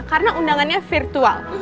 karena undangannya virtual